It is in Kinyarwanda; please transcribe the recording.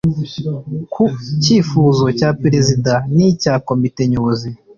Ku cyifuzo cya perezida n icya komite nyobozi